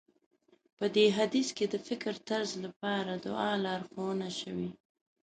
په دې حديث کې د فکرطرز لپاره دعا لارښوونه شوې.